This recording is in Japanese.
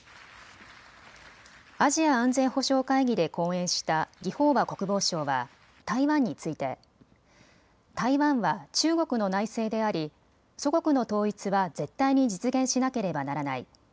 アジア安全保障会議で講演した魏鳳和国防相は台湾について台湾は中国の内政であり祖国の統一は絶対に実現しなければならない。